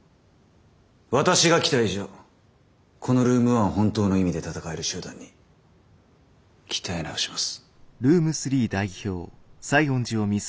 私が来た以上このルーム１を本当の意味で闘える集団に鍛え直します。